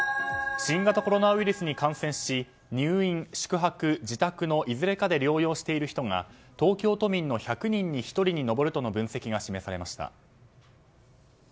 新型コロナウイルスに感染し入院、宿泊、自宅のいずれかで療養している人が東京都民の１００人に１人に上るとの分析が示されました。